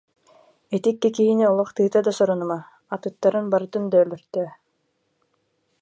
Ити икки киһини олох тыыта да сорунума, атыттарын барытын да өлөртөө